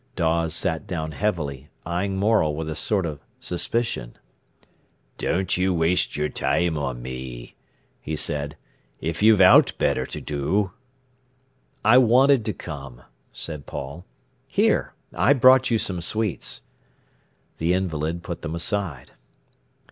Dawes sat down heavily, eyeing Morel with a sort of suspicion. "Don't you waste your time on me," he said, "if you've owt better to do." "I wanted to come," said Paul. "Here! I brought you some sweets." The invalid put them aside.